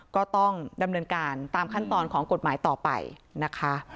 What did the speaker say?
ก็ต้องดำเนินการตามขั้นตอนของกฎหมายต่อไปนะคะ